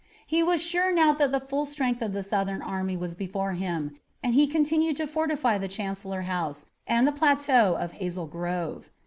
He was sure now that the full strength of the Southern army was before him, and he continued to fortify the Chancellor House and the plateau of Hazel Grove.